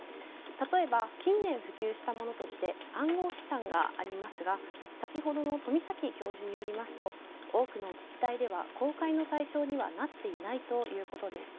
例えば近年、普及したものとして暗号資産がありますが先ほどの富崎教授によりますと多くの自治体では公開の対象にはなっていないということです。